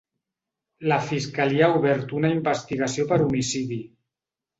La fiscalia ha obert una investigació per homicidi.